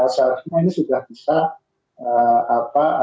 seharusnya ini sudah bisa